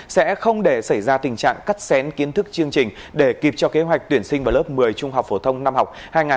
sẽ không để xảy ra tình trạng cắt xén kiến thức chương trình để kịp cho kế hoạch tuyển sinh vào lớp một mươi trung học phổ thông năm học hai nghìn hai mươi hai nghìn hai mươi một